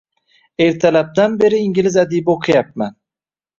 Ertalabdan beri ingliz adibi o’qiyapman.